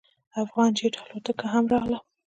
افغان جیټ الوتکه هم راغله.